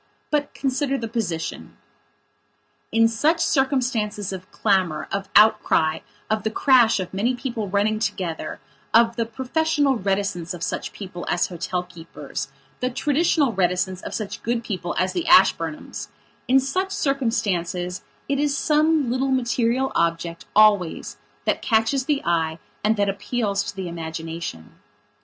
But consider the position. In such circumstances of clamour, of outcry, of the crash of many people running together, of the professional reticence of such people as hotel keepers, the traditional reticence of such "good people" as the Ashburnhamsin such circumstances it is some little material object, always, that catches the eye and that appeals to the imagination.